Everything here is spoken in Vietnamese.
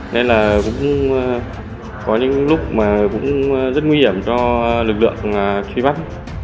nên là cũng có những lúc mà cũng rất nguy hiểm cho lực lượng truy bắt